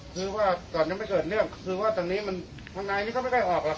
คือว่าตอนนี้ไม่เกิดเรื่องคือว่าตรงนี้มันทางนี้ก็ไม่ได้ออกล่ะ